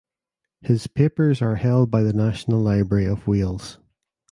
His papers are held by the National Library of Wales.